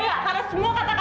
gak usah gr